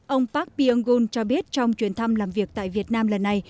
ông park bi yang gun cho biết trong chuyến thăm làm việc tại việt nam lần này